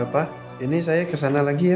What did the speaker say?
pak ini saya kesana lagi ya